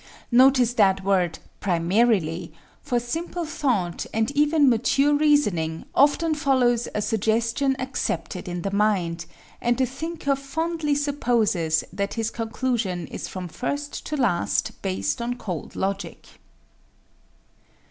Notice that word "primarily," for simple thought, and even mature reasoning, often follows a suggestion accepted in the mind, and the thinker fondly supposes that his conclusion is from first to last based on cold logic.